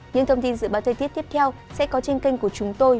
những thông tin dự báo thời tiết tiếp theo sẽ có trên kênh của chúng tôi